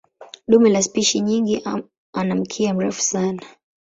Dume la spishi nyingi ana mkia mrefu sana.